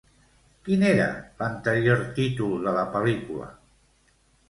Quin era l'anterior títol de la pel·lícula?